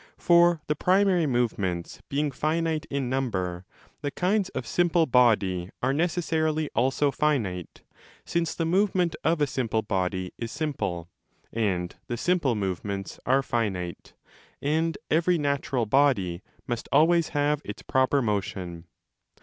For the primary movements being finite in number, the kinds of simple body are necessarily also finite, since the movement of a simple body is simple, and the simple movements are finite, and every natural body must 5 always have its proper motion.